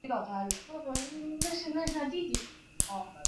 孔坦瓦人口变化图示